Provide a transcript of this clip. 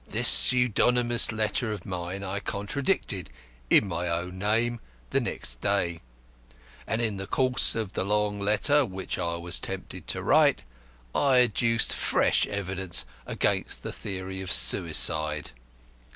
This pseudonymous letter of mine I contradicted (in my own name) the next day, and in the course of the long letter which I was tempted to write, I adduced fresh evidence against the theory of suicide.